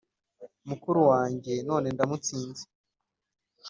mukuru wanjye none ndamutsinze